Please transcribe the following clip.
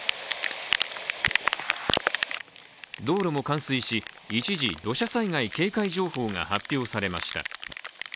道路も冠水し、一時土砂災害警戒情報が発表されました。